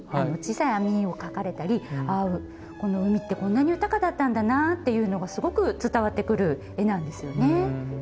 小さい網を描かれたりこの海ってこんなに豊かだったんだなっていうのがすごく伝わってくる絵なんですよね。